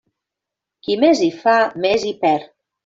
Qui més hi fa més hi perd.